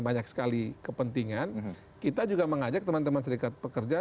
banyak sekali kepentingan kita juga mengajak teman teman serikat pekerja